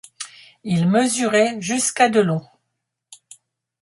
Il mesurait jusqu'à de long.